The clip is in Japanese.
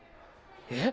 え！？